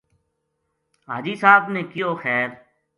حاجی صاحب نے کہیو خیر